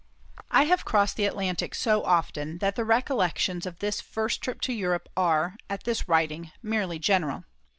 I have crossed the Atlantic so often that the recollections of this first trip to Europe are, at this writing, merely general.